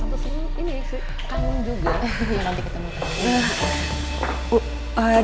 terus ini sih kamu juga nanti ketemu